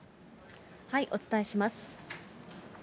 お伝えします。